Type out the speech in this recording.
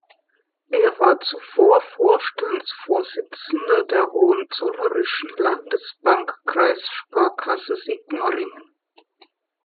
Er war zuvor Vorstandsvorsitzender der Hohenzollerischen Landesbank Kreissparkasse Sigmaringen.